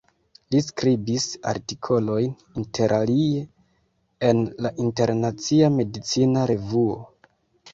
Li skribis artikolojn interalie en la Internacia Medicina Revuo.